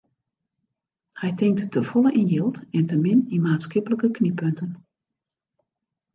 Hy tinkt te folle yn jild en te min yn maatskiplike knyppunten.